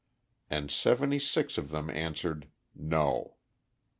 And seventy six of them answered, "No."